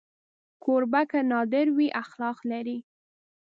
کوربه که نادار وي، اخلاق لري.